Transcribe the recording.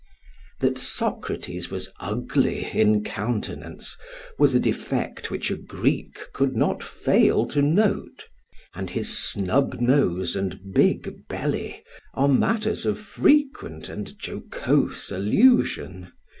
That Socrates was ugly in countenance was a defect which a Greek could not fail to note, and his snub nose and big belly are matters of frequent and jocose allusion.